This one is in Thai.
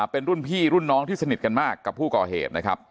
เป็นรุ่นพี่รุ่นน้องที่สนิทกันมากกับผู้ก่อเหตุนะครับ